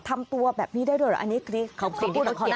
ทำตัวแบบนี้ได้ด้วยเหรออันนี้เขาพูดกับเขานะ